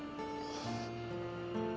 gue mesti kerja apa ya